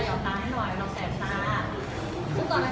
แสบตาแล้วคุณตามันยังไม่ขึ้น